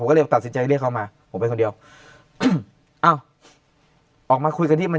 ก็เลยตัดสินใจเรียกเขามาผมเป็นคนเดียวอืมอ้าวออกมาคุยกันที่มัน